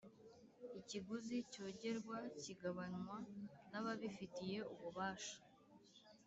Ikiguzi cyogerwa kigabanwa nababifitiye ububasha